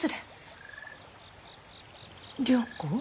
良子。